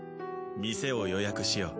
店を予約しよう。